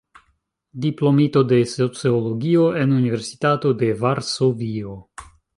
Diplomito de sociologio en Universitato de Varsovio.